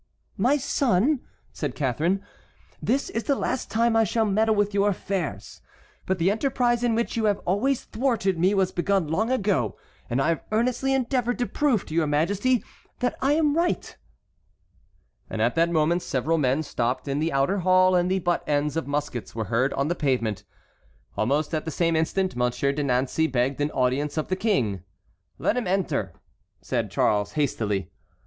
"My son," said Catharine, "this is the last time I shall meddle with your affairs. But the enterprise in which you have always thwarted me was begun long ago, and I have earnestly endeavored to prove to your Majesty that I am right." At that moment several men stopped in the outer hall and the butt ends of muskets were heard on the pavement. Almost at the same instant Monsieur de Nancey begged an audience of the King. "Let him enter," said Charles, hastily.